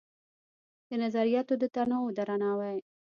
د نظریاتو د تنوع درناوی